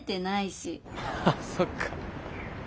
あそっか。